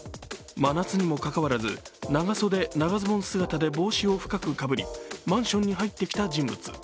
真夏にもかかわらず、長袖・長ズボン姿で帽子を深くかぶり、マンションに入ってきた人物。